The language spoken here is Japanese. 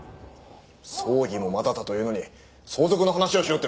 葬儀もまだだというのに相続の話をしようっていうのか！